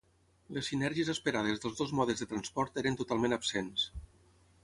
Les sinergies esperades dels dos modes de transport eren totalment absents.